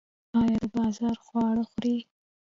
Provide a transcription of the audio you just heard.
ایا د بازار خواړه خورئ؟